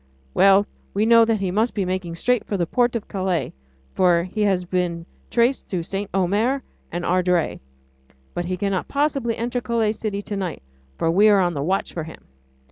Well, we know that he must be making straight for the port of Calais, for he has been traced through St. Omer and Ardres. But he cannot possibly enter Calais city to night, for we are on the watch for him.